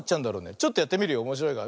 ちょっとやってみるよおもしろいから。